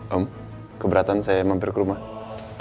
om keberatan saya mampir ke rumah